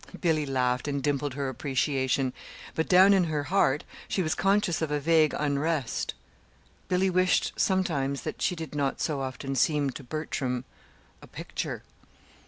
Billy laughed and dimpled her appreciation; but down in her heart she was conscious of a vague unrest. Billy wished, sometimes, that she did not so often seem to Bertram a picture.